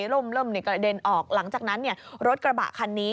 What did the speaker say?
ล่มกระเด็นออกหลังจากนั้นรถกระบะคันนี้